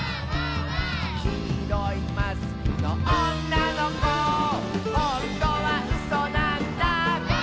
「きいろいマスクのおんなのこ」「ほんとはうそなんだ」